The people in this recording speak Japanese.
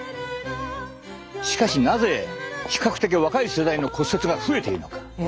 しかしなぜ比較的若い世代の骨折が増えているのか？